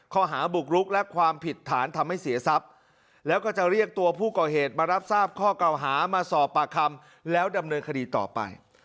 ข้อหาบุกรุกและความผิดฐานทำให้เสียทรัพย์แล้วก็จะเรียกตัวผู้ก่อเหตุมารับทราบข้อเก่าหามาสอบปากคำแล้วดำเนินคดีต่อไป